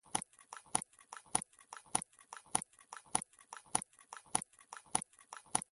ازادي راډیو د د ماشومانو حقونه په اړه په ژوره توګه بحثونه کړي.